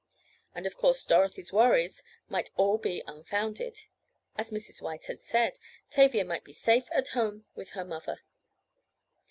And, of course, Dorothy's worries might all be unfounded. As Mrs. White had said, Tavia might be safe at home with her mother.